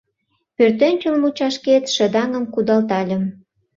Пӧртӧнчыл мучашкет шыдаҥым кудалтальым